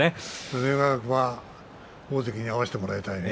大関に合わせてもらいたいね。